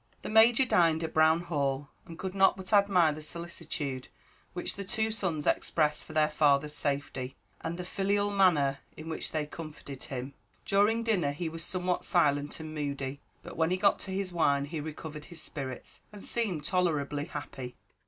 The Major dined at Brown Hall, and could not but admire the solicitude which the two sons expressed for their father's safety, and the filial manner in which they comforted him. During dinner he was somewhat silent and moody; but when he got to his wine he recovered his spirits, and seemed tolerably happy.